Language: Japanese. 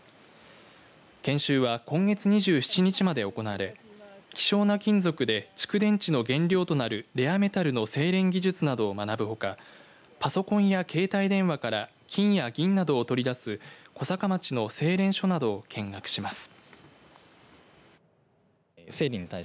研修は今月２７日まで行われ希少な金属で蓄電池の原料となるレアメタルの製錬技術などを学ぶほかパソコンや携帯電話から金や銀などを取り出す小坂町の製錬所などを見学します。